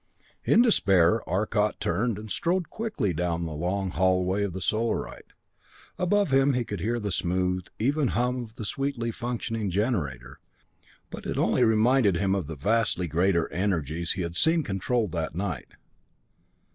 In despair Arcot turned and strode quickly down the long hallway of the Solarite. Above him he could hear the smooth, even hum of the sweetly functioning generator, but it only reminded him of the vastly greater energies he had seen controlled that night.